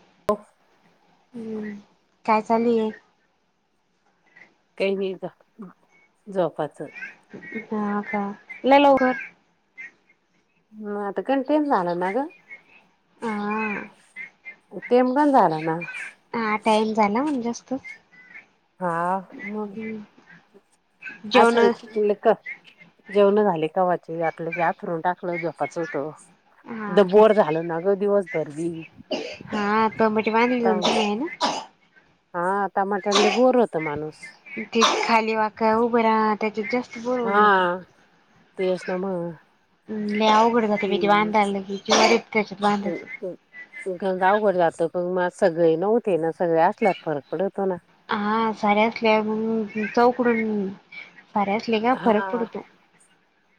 [inaudible] हम्म. काय चालेय. काही नाही जोपाचं. हा का ल लवघर मग आता [unintelligible] जाणार ना ग? हा तेमगण झालं ना. हा टाइम झाला म्हण जास्त. हा मग जेवण असंलं का जेवणं झाली कावाची आपलं हातंरुन टाकलं झोपाचं होतं. हा द का बोर झाल ना ग दिवसभर दी. हा [unintelligible] आहे ना. हा टमाटर ले बोर होत माणूस. [unintelligible] खाली वाका उभं राहा. त्याचे जास्त बोल हा तेच ना मग. लई अवघडं जाते बी ते हम्म वांदा आलं की रस्त्याच्या त्याच्यात बांधाचं गावघड जात म सगळे नव्हते ना सगळे असल्यात फरक पडतो ना. हा सारे असले मग चौकडून. साडेआठले हा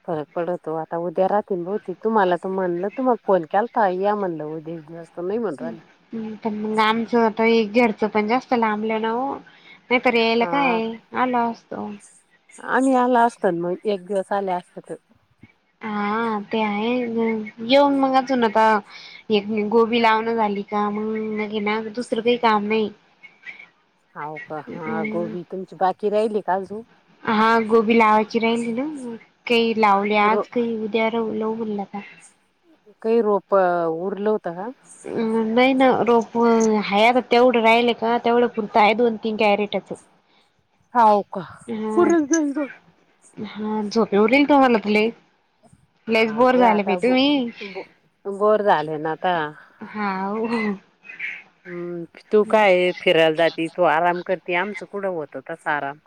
फरक पडतो आता उद्या राहतील बहुतेक तुम्हाला तर म्हणलं तू मग. फोन केल तर या म्हणलं हो उद्याच दिवस तर नाही म्हण राहिल. पण मग आमचं आता हे घरचं पण जास्त लांबलं ना ओ. नाहीतर यायला हा काय आलो असतो. आम्ही आला असतान मग एक दिवस आले असते तर. हा ते आहे येऊन मग [unintelligible] आता एक गोबी लावणं झाली का मग ना दुसरं काही काम नाही. हावू का हा अ गोबी तुमची बाकी राहिली का अजून. हा गोबी लावायची राहिली ना काही लावले रो आज काही. [unintelligible] बोल्ला का. काही रोपं उरलं होत हा. अ नाही ना रोपं हे आता तेवढं राहिल का. तेवढं पुरतं आहे दोन तीन कॅरेटचं. हाव का फुर हा झोपे उरल तुम्हाला तुले लेच हाव बोर ग झाला पा आता बो तुम्ही. बो बोर झाले ना आता. हा वो. हम्म तू काय, फिरायला जाती तू आराम करते आमचं कुठं होत तसा आराम.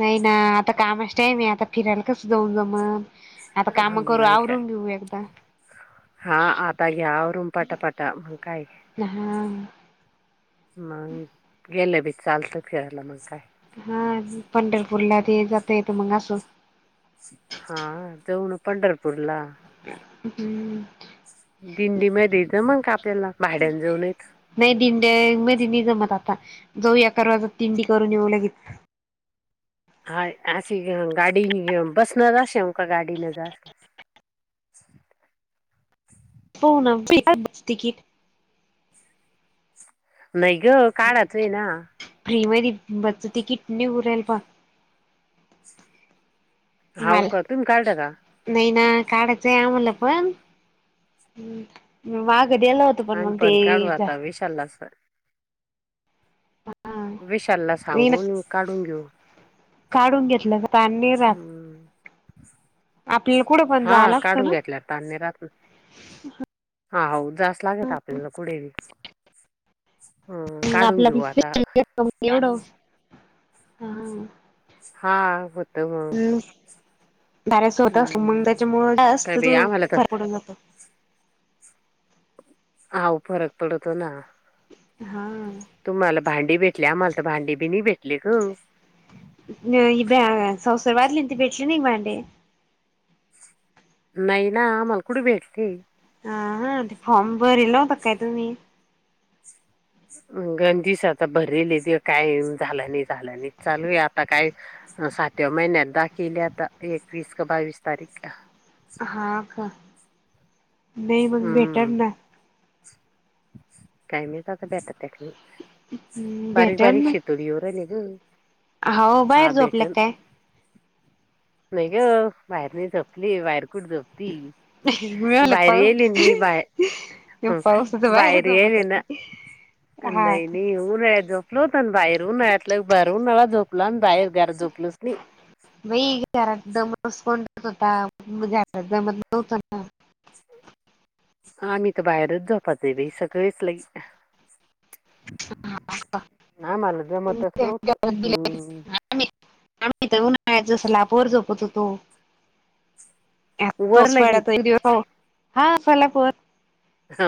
नाही ना आता कामाच टायम आहे, आता फिराला कस जाऊन जा मग. आता काम करून, आवरून घेऊ एकदा. हां.. आता घ्या, आवरून पटापटा मग काय. न्याहा. मग गेलं बी चालतं फिरायला मग काय. हा पंढरपूरला ते जात येत मग असो. हा जाऊ ना पंढरपूरला. हम्म. दिंडी मच मग का आपल्याला भाड्यांन जाऊनेत. नाही दिंड मग दिंडी जमत आता, जाऊ एकाजात दिंडी करून येऊ लगित. हा अशी घेऊ गाडीनी घेऊ बसनार अशील का गाडी न जाय. हो ना मिळाय पाहिजे तिकीट. नाही ग काल रात्री ना. फ्री मधी बसच तीकिट नीउ राहील पा. हाव मला. का तुम्ही कार्ड का? नाही ना काढायचंय आम्हाला पण, वाघ दल होत तर पण मग तेइ जा. चालला स्वर. विशालला नाही ना सांगून मग काढून घेऊ. काढून घेतलंता आम्ही हम्म रात आपल्याला कुठं पण जाय लागतं ना. धन्य लागतं हा हो, जास्त लागेत आपल्याला पुढे. हम्म हम्म, काढून घेऊ आता. तुम एवढु हम्म. हा हा, होत म्हणून. दऱ्याच होत, अस मग त्याच्यामुळे काय असत बाई तो आम्हाला तर फर पडून जातो. आ हो फरक पडतो ना. हा. तुम्हाला भांडी भेटले आम्हाला तर भांडी बी नाही भेटले ग. नी ब्या संसर वादल इंत भेटले नाही मांडे. नाही ना आम्हाला कुडी भेटते. हा हा ते फॉर्म भरल होत काय तुम्ही? गंजिश आता भरली ते काय झालं नाही, झालं नाही चालू आहे आता काय. सातव्या महिन्यात दाकेली आता हे एकवीस का बावीस तारीखला. हा का? नाही मग भेटर हम्म ना. काय माहिती आता भेटत की नाही, बारीक भेटल बारीक ना. शेतोडी येऊ राहिले.. हम्म हो बाहेर हा झोपल्या भेटल. काय नाही ग बाहेर नई झोपली, बाहेर कुठ झोप ती, मी म्हणलं बाहेर येली पाऊस मी बाहे हम. पाऊसच बाहेर बाय रे झोपत आहे निन, काय हा नई का. नई होऊ राहीको. [unintelligible] झोपलच नाही. बाई म घरात दमस कोत होता, झारात दमत नव्हत. आम्ही तर बाहेरच झोपाचे सगळेच लई. आम्हाला जमतच नव्हतं हम्म. आम्ही आम्ही इथ उन्हाळ्यात स्लॅपवर झोपत होतो. हा वर तोच पाडा लगी तेंगी फोन हा झाला फोन. ह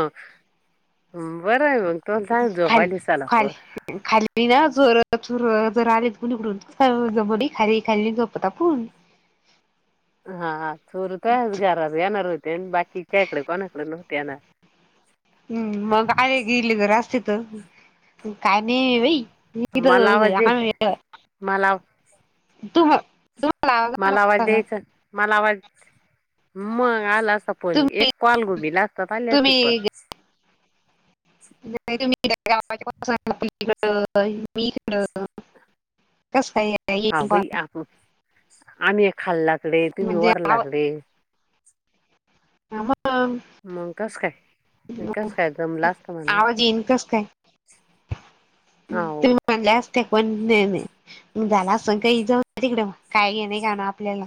बर आहे मग, तुला स झोपा खाली दिससाला पोर. खाली खाली ना जोरत चुरत जर आलेकडून जम खाली खाली झोपत आपण. [inaudible] हा चोर तुयाच घरात येणार होते अन बाकीच्या कड कोणाकड नव्हते येणार. हम्म मग आले गेले घर असते तर, काय नी बाई. [unintelligible] मलाव. तुम्ह [unintelligible] मला आवाज द्यायचा, मला वाट मग आलं असता फोन, तुम्ही एक कॉल घुमीला असतात आले असते पण. [unintelligible] कसं कायं येता, येईन हा बाई [unintelligible] आपण आम्ही एक खाल्ले लागले, तुम्ही म्हणजे वर लागले. हा मग. मंग कस काय, कस काय जमलं असत म्हणा. आवाज येईन कस काय हाव. ते पन नई बाई, म झालं असन कई जाऊदे तिकड काय घेन देणं आपल्याला?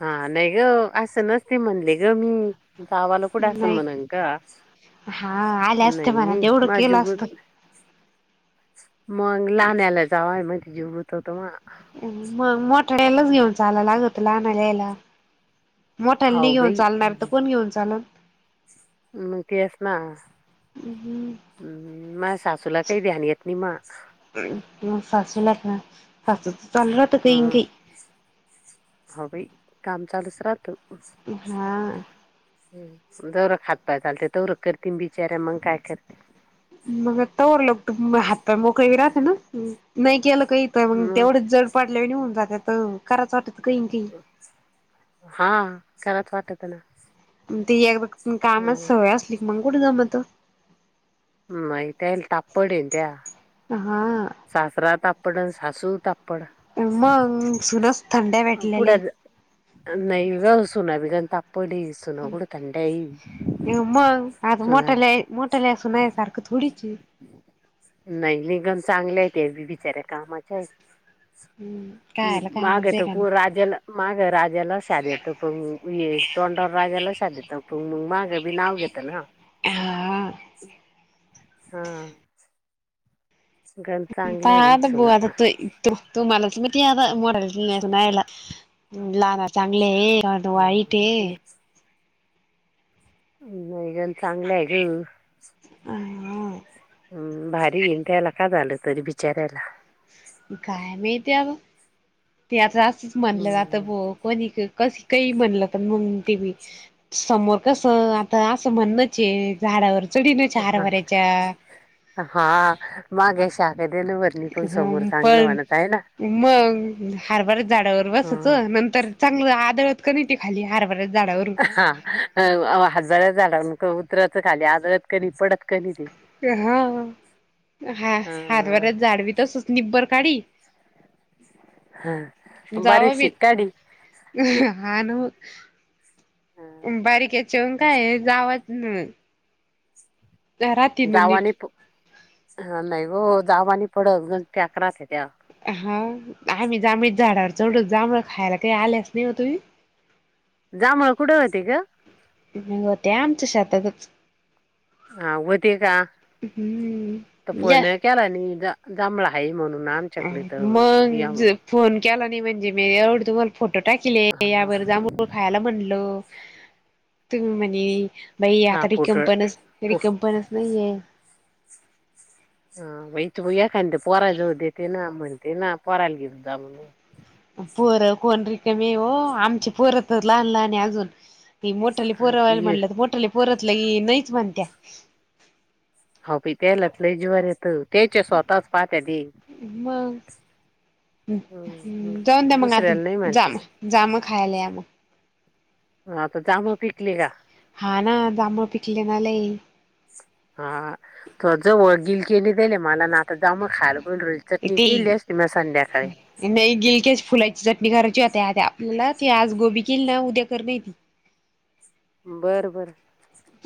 हा नाई गं असं, नसते म्हणले गं मी. जावाला कुठ असं नाही म्हणन का? हा आल्या असते नई म्हणा नई तेवढं माया जीव केलं बघ असतं मग लाण्याला जावंय मदी, जीव गुततो मवा. मंग मोठड्यालाच घेऊन, चाला लागतं लहानलयला. मोठाले नई हाव घेऊन बाई चालणारं तर, कोण घेऊन चाललं. मग तेच ना. हम्म हम्म, माया सासूला काही ध्यान येत नाही मां. मग सासूला या, का सासूच चालू राहत ह कई न कई. हो बाई काम चालूच राहत. हा. जवर हातपाय चालते तवर, करतीन बिचार्या मगं काय करती. मग तवर लोकं त म हात, हे मोकळे बी राहते ना नई केलं कई. मग तेवढेच जड पडल्या वानी होऊन जाता तर कराचं वाटत कईन कई. हां.. [unintelligible] ती एकदा कामाची सवय असली मग कुठ जमत? हम्म माहितीये तापड येत्येया. हा. सासरा तापड, अनं सासू तापड. पुढ, मग सुनच थंड्या हा पुढ ज भेटलेल्या नई गं सुना बी, गन तापड येस. मंग आता सुना मोठल्याये मोठल्या सुनाये सारखं थोडीचये. नई नई गन चांगल्याये त्या बिचऱ्या कामाच्या येत. हम्म. कायला माग कामाचं त आहे को राजाला, माग राजाला श देतो पण तोंडवर राजाला शाप देत. त पन मंग, माग बी नाव घेत ना. [unintelligible] हा.. गन चांगल्या ये बई सुना. तुम्हालाच माहिती अगं, मुलांना न्यायला जागा चांगलीये. दाद हम्म. वाईटये. नई गन चांगल्या ये ग. हा.. अं भारी ये त्याला का झालं, तरी बिचाऱ्याला. काय माहिती अगं ती आता असंच म्हणलं जातं हम्म. बो कोणी कसं कई म्हणलं पन मंग, ते बी समोर कसं आता असं म्हण. ते झाडावर चढीनच हा हरभऱ्याच्या. हा माग शाप दिलवरणी पण ह समोर चांगलं पण म्हणत हे ना? मग हरभार झाडावर बसायचं नंतर. चांगलं आदळत का नाही ते खाली हरभारत झाडावर. हा हरभऱ्याच्या झाडावरून उतराच खाली आजरत कधी पडत कधी ते. हा हा हरभऱ्याच झाड बी जी तसच निब्बर काडी. हा बारीक बी शिक काडीन. हा न बारीकेचेन काय जावच न. नीट जावाने नाही हो जावाने पडत गण [unintelligible] त्या हा आम्ही जांभळीत झाडावर चढू जांभळं खायला काही आल्यास नाही तुम्ही? जांभळं कुठं होते ग? होते आमच्या शेतातच. हा होते का. तर हम्म फोन या नाही केला नाही जांभळं आहे म्हणून. ना आमच्याकडे तर या मग. फोन केला नाही म्हणजे, मीे एवढी तुम्हाला. फोटो टाकीले यावर जांभूळ खायला म्हणल तुम्ही म्हणे. बाई हा आता पोटळ रिकंपनच रिकामपणच नाहीेये. हा बाई तू एखांद ते पोरा जाऊ देते ना म्हणते ना पोराला घेऊ जा म्हण. पोरं कोण रिकामी हो, आमची पोर तर लहान लहान आहे अजून. ती मोठाले हा पोरवायला ते म्हणलं तर मोठाले पोरतलं की नाहीच म्हणतात. हो विकायलाच जीवार येत त्याच्या स्वतःच पाहत्या ती मग जाऊन द्या मग आता, नाही म्हणते जाम जाम खायला या मग. हा तर जांभळं पिकले का? हा ना जांबळ पिकले ना लय. हा तो जवळ गिलकेने दिले मला ना आता जांभळं खायला बोलू राहिली. चटणी ते केली असती मग संध्याकाळी. नाही गिलकयाची फुलाची चटणी करायची होता आ आपल्याला ती आज गोबी किल ना उद्या कर नाही ती. बरं बरं.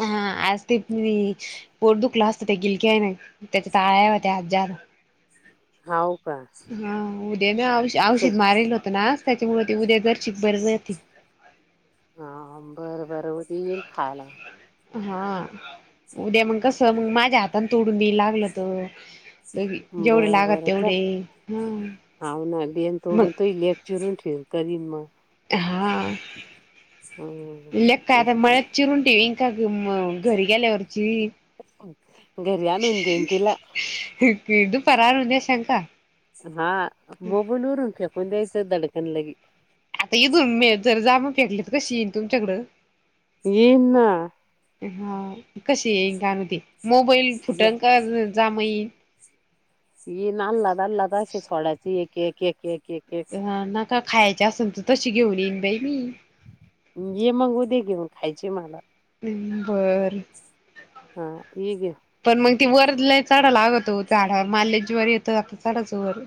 हा आज ते मीच पोट दुखलं असतं ते गिलकी्या आहे ना त्याच्यात आळ्या होत्या हजांर. हाव. का हा उद्या ना औ तुझ्या औषध मारेल होत नाच त्याच्यामुळे ते उद्या जर शिक बर जळती. बर बर उद्या येईल खायला. हा. उद्या मग कसं मग, माझ्या हातान तोडून वि लागलं तर जेवढे बरं लागत बरं तर तेवढे हा हाव ना बेन मग तोडून तुही लेक चिरून ठेव करीन मग. हा हम्म लेका तेच आता तर मळ्यात चिरून ठेवीन. का म घरी गेल्यावरची. घरी आणून देऊ तिला. ती दुपारी आणून देशाचा. हा मोबाईलवरून फेकून द्यायचं दडकून लगे. आता इथून मी जर जांभूळ फेकले तर कशी येईन तुमच्याकडं. येईन ना. हा कशी येईल काय माहिती मोबाईल ये फुटण का जांभूळ येईल. ए नाल नादाला लागायची सोडाची एक एक एक एक एक एक. नका खायचे असून तर तशी घेऊ येईन बाई मी. ये मग उद्या घेऊन खायची मला. हम्म होय र. हा मी बी येत पण मग ती वर लय चढायला लागत हो झाडावर माल्या लय जीवावर येत चढायचं वर.